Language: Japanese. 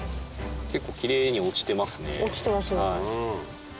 結構キレイに落ちてますね。